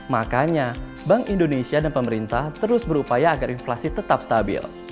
makanya bank indonesia dan pemerintah terus berupaya agar inflasi tetap stabil